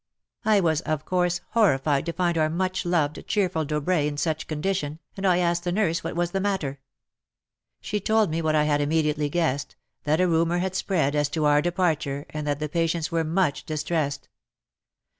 I was, of course, horrified to find our much loved, cheerful Dobrai in such condition, and I asked the nurse what was the matter ? She told me what I had immediately guessed, that a rumour had spread as to our departure and that the patients were much distressed.